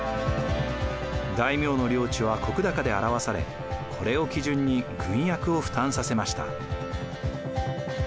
大名の領地は石高で表されこれを基準に軍役を負担させました。